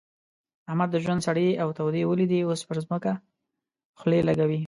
احمد د ژوند سړې او تودې وليدې؛ اوس پر ځمکه خولې لګوي.